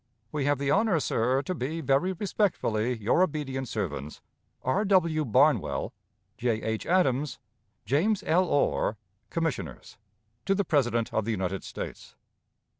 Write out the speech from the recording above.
We have the honor, sir, to be, very respectfully, your obedient servants, R. W. BARNWELL,} J. H. ADAMS, } Commissioners. JAMES L. ORR, } To the President of the United States.